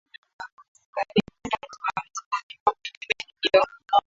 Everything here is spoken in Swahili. alimpenda msimamizi kutoka kwenye meli hiyo